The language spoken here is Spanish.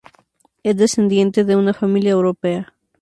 Es descendiente de una familia europea.